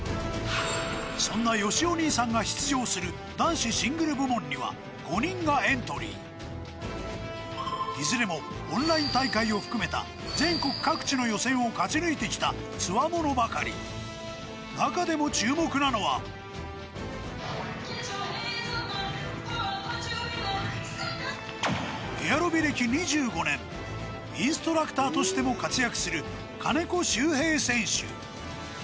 そんなよしお兄さんが出場する男子シングル部門には５人がエントリーいずれもオンライン大会を含めた全国各地の予選を勝ち抜いてきた強者ばかり中でも注目なのはエアロビ歴２５年インストラクターとしても活躍する金子周平選手